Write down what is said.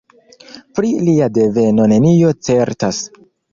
Pri lia deveno nenio certas.